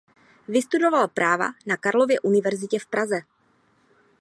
Vystudoval práva na Karlově univerzitě v Praze.